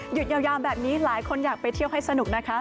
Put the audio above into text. ยาวแบบนี้หลายคนอยากไปเที่ยวให้สนุกนะคะ